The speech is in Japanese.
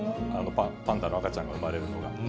パンダの赤ちゃんが生まれるのは。